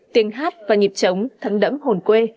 tiếng hát và nhịp trống thẳng đẫm hồn quê